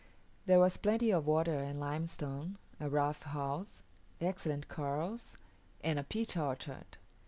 There was plenty of water and limestone, a rough house, excellent corrals, and a peach orchard.